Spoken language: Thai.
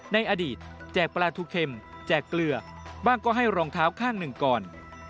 ในอดีตแจกปลาทูเค็มแจกเกลือบ้างก็ให้รองเท้าข้างหนึ่งก่อน